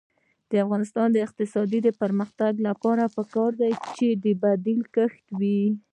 د افغانستان د اقتصادي پرمختګ لپاره پکار ده چې بدیل کښت وي.